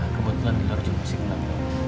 kebetulan di luar jemput sini lagi